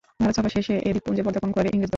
ভারত সফর শেষে এ দ্বীপপুঞ্জে পদার্পণ করে ইংরেজ দল।